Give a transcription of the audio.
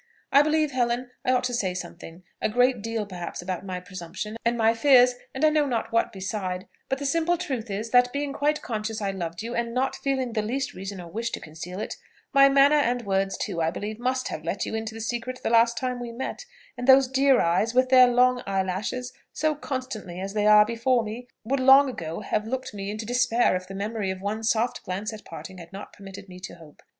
I believe, Helen, I ought to say something a great deal perhaps about my presumption and my fears, and I know not what beside, but the simple truth is, that being quite conscious I loved you, and not feeling the least reason or wish to conceal it, my manner and words, too, I believe, must have let you into the secret the last time we met; and those dear eyes, with their long eyelashes, so constantly as they are before me, would long ago have looked me into despair if the memory of one soft glance at parting had not permitted me to hope.